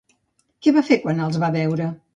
Què va fer quan els va veure?